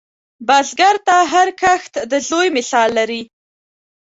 بزګر ته هر کښت د زوی مثال لري